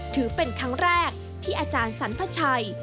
ถือเป็นครั้งแรกที่อาจารย์สรรพชัย